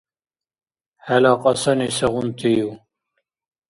ХӀела кьасани сегъунтив?